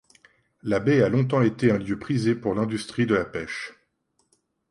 La baie a longtemps été un lieu prisé pour l'industrie de la pêche.